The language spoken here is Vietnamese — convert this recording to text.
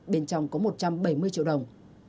bên trong có một trăm bảy mươi triệu đồng